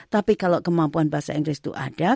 tapi kalau kemampuan bahasa inggris itu ada